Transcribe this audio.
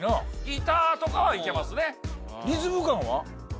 ギターとかはいけますね。